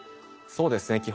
そうですね